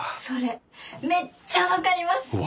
それめっちゃ分かります！